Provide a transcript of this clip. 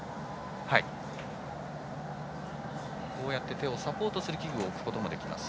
手をサポートする器具を置くこともできます。